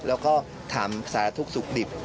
แล้วก็ถามสารทุกข์สุขดิบ